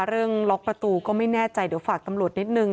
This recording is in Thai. ล็อกประตูก็ไม่แน่ใจเดี๋ยวฝากตำรวจนิดนึง